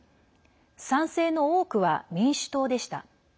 賛成の多くは民主党でした。